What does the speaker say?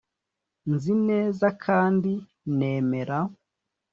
Nzi neza kandi nemera